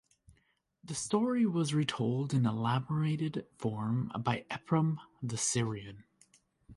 The story was retold in elaborated form by Ephrem the Syrian.